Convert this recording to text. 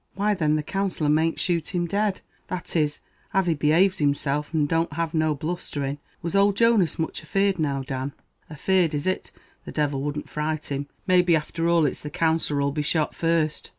"Why thin, the Counsellor mayn't shoot him dead; that is, av he behaves himself, and don't have no blusthering. Was old Jonas much afeard, now, Dan?" "Afeard, is it! the divil wouldn't fright him. Maybe, after all, it's the Counsellor 'll be shot first."